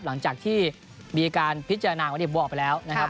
หลังจากที่มีการพิจารณาวันนี้บอกไปแล้วนะครับ